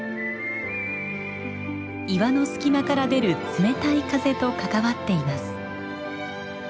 岩の隙間から出る冷たい風と関わっています。